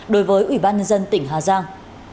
đối với ủy ban nhân dân tỉnh hà giang